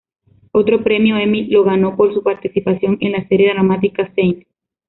Otro premio Emmy lo ganó por su participación en la serie dramática "St.